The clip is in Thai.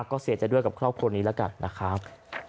ก็เสียใจด้วยกับครอบครัวนี้แล้วกันนะครับ